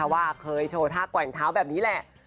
ว่าเคยโชว์ท่าแกว่งเท้าแบบนี้แหละ